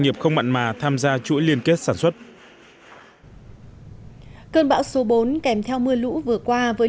nghiệp không mặn mà tham gia chuỗi liên kết sản xuất cơn bão số bốn kèm theo mưa lũ vừa qua với